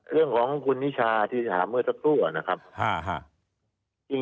เรื่องของคุณมิชชาถิศหามือพฤทธิ์ทรกาทั่ว